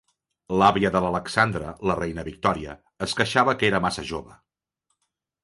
L'àvia de l'Alexandra, la reina Victòria, es queixava que era massa jove.